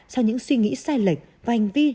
sau những suy nghĩ sai lệch và hành vi